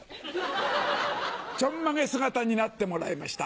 ちょんまげ姿になってもらいました。